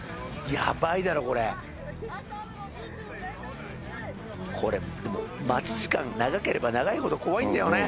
やばいだろこれこれ待ち時間長ければ長いほど怖いんだよね